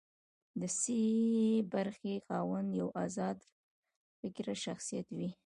د سي برخې خاوند یو ازاد فکره شخصیت وي.